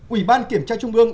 ủy ban kiểm tra trung ương